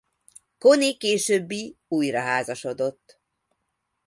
Connie későbbi újraházasodott.